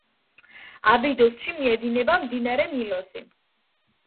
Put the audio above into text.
აბიდოსში მიედინება მდინარე ნილოსი.